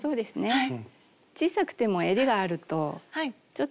はい。